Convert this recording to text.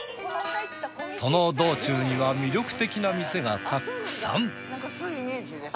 その道中には魅力的な店がたくさん。